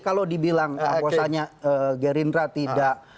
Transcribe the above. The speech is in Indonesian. kalau dibilang bosannya gerinda tidak